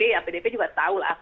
ya pdp juga tahu lah